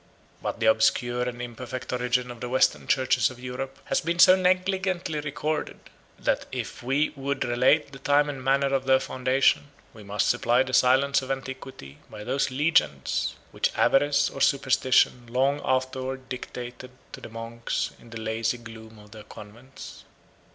174 But the obscure and imperfect origin of the western churches of Europe has been so negligently recorded, that if we would relate the time and manner of their foundation, we must supply the silence of antiquity by those legends which avarice or superstition long afterwards dictated to the monks in the lazy gloom of their convents.